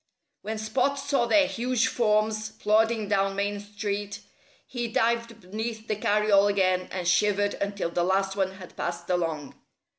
When Spot saw their huge forms plodding down Main Street he dived beneath the carryall again and shivered until the last one had passed along.